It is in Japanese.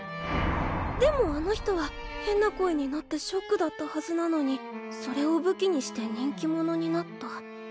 でもあの人は変な声になってショックだったはずなのにそれを武器にして人気者になった。